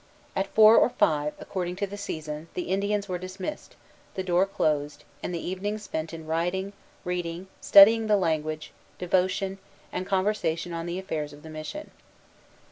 At four or five, according to the season, the Indians were dismissed, the door closed, and the evening spent in writing, reading, studying the language, devotion, and conversation on the affairs of the mission.